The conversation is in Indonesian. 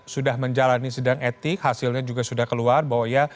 sudah menjalani sidang etik hasilnya juga sudah keluar bahwa ia